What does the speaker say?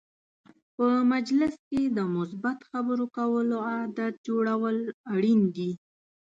په مجلس کې د مثبت خبرو کولو عادت جوړول اړین دي.